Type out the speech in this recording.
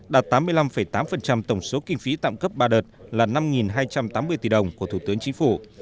đạt tám mươi năm tám tổng số kinh phí tạm cấp ba đợt là năm hai trăm tám mươi tỷ đồng của thủ tướng chính phủ